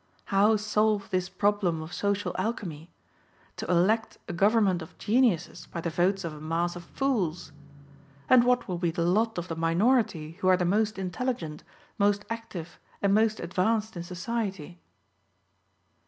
How solve this problem of social alchemy: To elect a government of geniuses by the votes of a mass of fools? And what will be the lot of the minority, who are the most intelligent, most active and most advanced in society?